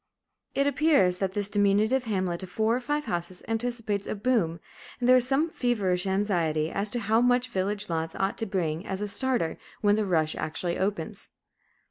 It appears that this diminutive hamlet of four or five houses anticipates a "boom," and there is some feverish anxiety as to how much village lots ought to bring as a "starter" when the rush actually opens.